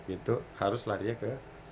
itu harus lari ke